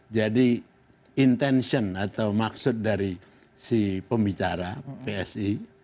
jadi intention atau maksud dari si pembicara psi